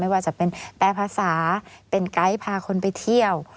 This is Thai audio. ว่าจะเป็นแปลภาษาเป็นไกด์พาคนไปเที่ยว